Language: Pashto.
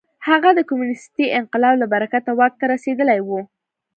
هغه د کمونېستي انقلاب له برکته واک ته رسېدلی و.